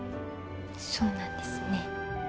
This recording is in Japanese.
そうなんですね。